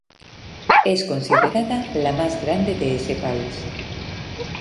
Es considerada la más grande de ese país.